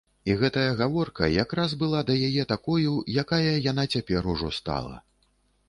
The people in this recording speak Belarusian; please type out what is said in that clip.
І гэтая гаворка якраз была да яе такою, якая яна цяпер ужо стала.